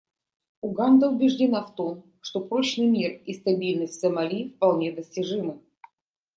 Уганда убеждена в том, что прочный мир и стабильность в Сомали вполне достижимы.